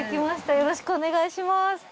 よろしくお願いします。